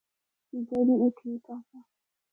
جدوں اے ٹھیک آسا۔